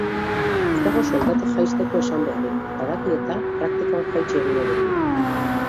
Ez dago soldatak jaisteko esan beharrik, badaki-eta, praktikan jaitsi egingo direla.